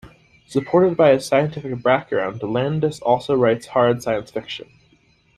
Supported by his scientific background Landis also writes hard science fiction.